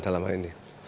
dalam hal ini